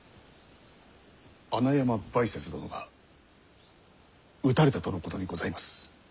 穴山梅雪殿が討たれたとのことにございます。